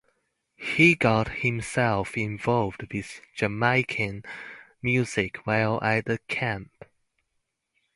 He got himself involved with Jamaican music while at the camp.